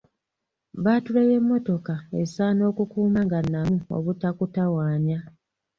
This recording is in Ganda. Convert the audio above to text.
Bbaatule y'emmotoka esaana okukuuma nga nnamu obutakutawaanya.